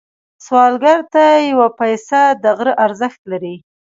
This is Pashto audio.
سوالګر ته یو پيسه د غره ارزښت لري